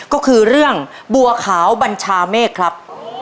ก็คือเรื่องบัวขาวบัญชาเมฆครับ